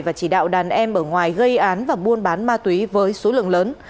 và chỉ đạo đàn em ở ngoài gây án và buôn bán ma túy với số lượng lớn